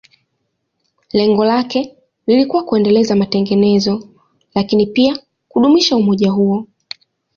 Lengo lake lilikuwa kuendeleza matengenezo, lakini pia kudumisha umoja huo.